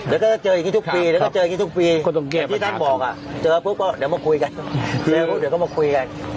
เดี๋ยวก็เจออีกทีทุกปีอย่างที่ท่านบอกเจอปุ๊บก็เดี๋ยวมาคุยกัน